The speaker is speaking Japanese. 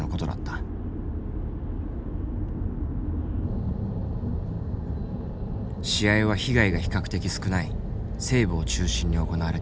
試合は被害が比較的少ない西部を中心に行われていた。